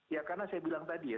ya karena saya bilang tadi ya